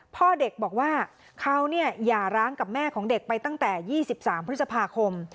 พ่อเด็กบอกว่าเขาหย่าร้างกับแม่ของเด็กไปตั้งแต่๒๓พฤษภาคม